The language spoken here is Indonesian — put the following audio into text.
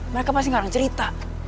mereka pasti gak orang cerita